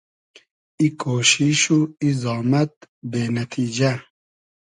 ای کۉشیش و ای زامئد بې نئتیجۂ